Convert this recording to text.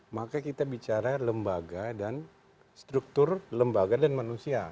maka kita bicara lembaga dan struktur lembaga dan manusia